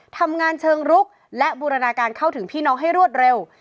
ทำงานเชิงรุกและบูรณาการเข้าถึงพี่น้องให้รวดเร็ว